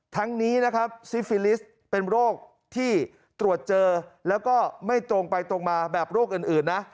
ทั้งนี้นะครับซิฟิลิสเป็นโรคที่ตรวจเจอแล้วก็ไม่ตรงไปตรงมาแบบโรคอื่นนะ